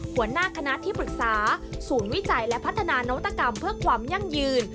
หัวหน้าคณะที่ปรึกษาศูนย์วิจัยและพัฒนานวัตกรรมเพื่อความยั่งยืน